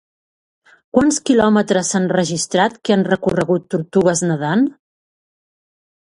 Quants km s'han registrat que han recorregut tortugues nedant?